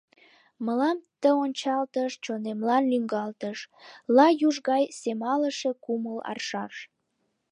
Мылам ты ончалтыш — чонемлан лӱҥгалтыш, Лай юж гай семалыше кумыл аршаш.